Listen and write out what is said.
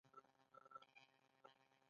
دا کار ځانګړې او ژورې څېړنې ته اړتیا لري.